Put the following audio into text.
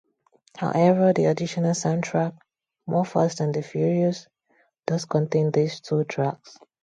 However, the additional soundtrack "More Fast and the Furious" does contain these two tracks.